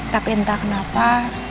tapi entah kenapa